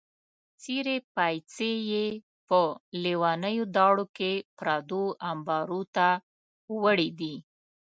څېرې پایڅې یې په لیونیو داړو کې پردو امبارو ته وړې دي.